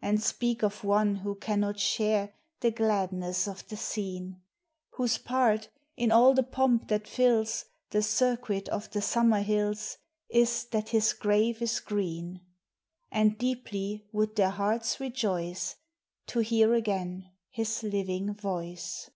And speak of one who cannot share The gladness of the scene; Whose part, in all the pomp thai tills The circuit of the summer hills. Is that his grave is green; And deeply would their hearts rejoice To hear again his living voice.